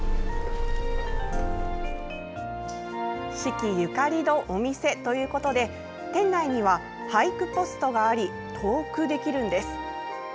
子規ゆかりのお店ということで店内には俳句ポストがあり投句できるんです。